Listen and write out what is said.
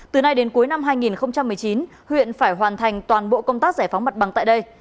từ nay đến cuối năm hai nghìn một mươi chín huyện phải hoàn thành toàn bộ công tác giải phóng mặt bằng tại đây